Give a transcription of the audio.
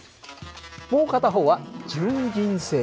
もう片方は純銀製。